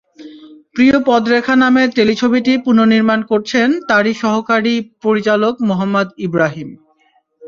প্রিয় পদরেখা নামে টেলিছবিটি পুনর্নির্মাণ করছেন তাঁরই সহকারী পরিচালক মোহাম্মদ ইব্রাহিম।